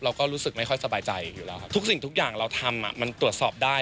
เราก็รู้สึกไม่ค่อยสบายใจอยู่แล้วครับทุกสิ่งทุกอย่างเราทำมันตรวจสอบได้